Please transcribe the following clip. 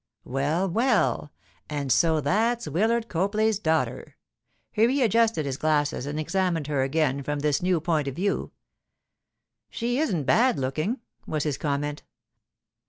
'Well, well! And so that's Willard Copley's daughter?' He readjusted his glasses and examined her again from this new point of view. 'She isn't bad looking,' was his comment.